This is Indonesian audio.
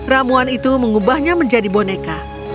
ramuan itu mengubahnya menjadi boneka